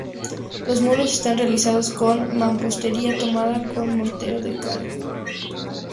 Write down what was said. Los muros están realizados con mampostería tomada con mortero de cal.